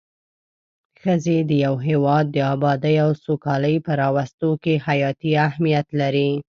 ښځی د يو هيواد د ابادي او سوکالي په راوستو کي حياتي اهميت لري